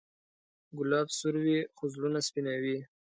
ګلاب سور وي، خو زړونه سپینوي.